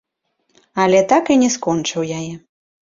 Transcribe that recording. Але так і не скончыў яе.